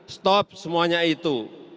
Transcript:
stop semuanya itu